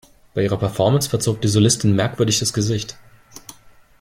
Bei ihrer Performance verzog die Solistin merkwürdig das Gesicht.